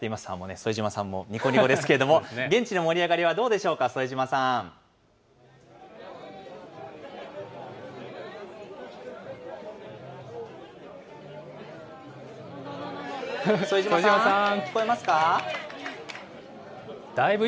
副島さんもにこにこですけれども、現地の盛り上がりはどうでしょうか、副島さん。副島さん？